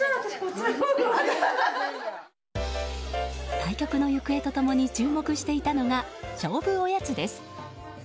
対局の行方と共に注目していたのが勝負おやつです。